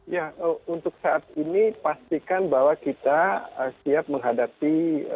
ya untuk saat ini pastikan bahwa kita siap menghadapi